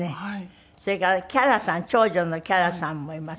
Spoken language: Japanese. それから伽羅さん長女の伽羅さんもいます。